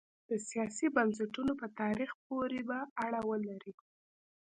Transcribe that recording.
د سیاسي بنسټونو په تاریخ پورې به اړه ولري.